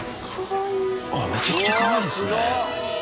めちゃくちゃかわいいですね。